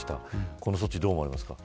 この措置どう思われますか。